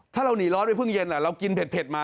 ถ้าเราหนีร้อนไปเพิ่งเย็นเรากินเผ็ดมา